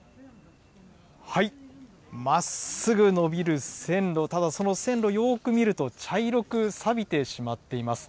まっすぐ延びる線路、ただその線路、よく見ると茶色くさびてしまっています。